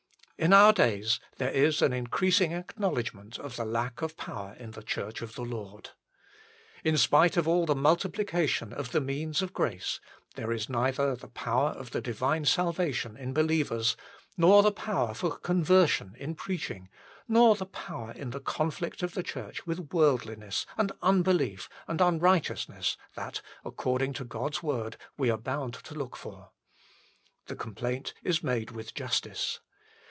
In our days there is an increasing acknow ledgment of the lack of power in the Church of the Lord. In spite of all the multiplication of the means of grace, there is neither the power of the divine salvation in believers, nor the power for conversion in preaching, nor the power in the conflict of the Church with worldliness and unbelief and unrighteousness that, according to 18 THE FULL BLESSING OF PENTECOST God s Word, we are bound to look for. The complaint is made with justice.